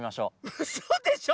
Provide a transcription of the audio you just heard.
うそでしょ！